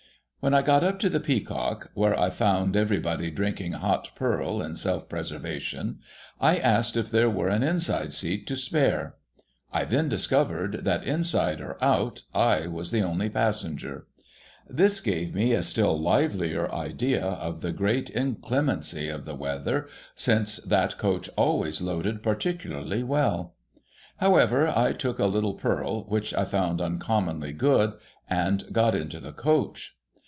When I got up to the Peacock, — where I found everybody drink ing hot purl, in self preservation, — I asked if there were an inside seat to spare, I then discovered that, inside or out, I was the only passenger. This gave me a still liveHer idea of the great in clemency of the weather, since that coach always loaded particularly well. However, I took a little purl (which I found uncommonly good), and got into the coach.